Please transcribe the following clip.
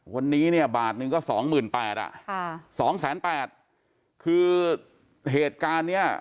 วันนี้เนี่ยบาทหนึ่งก็สองหมื่นแปดอ่ะค่ะสองแสนแปดคือเหตุการณ์เนี้ย